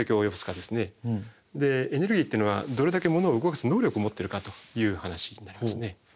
エネルギーっていうのはどれだけ物を動かす能力を持ってるかという話になりますね。